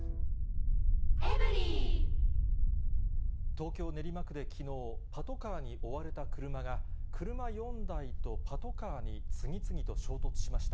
東京・練馬区できのう、パトカーに追われた車が、車４台とパトカーに次々と衝突しました。